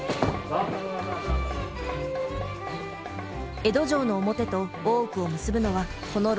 江戸城の表と大奥を結ぶのはこの廊下のみ。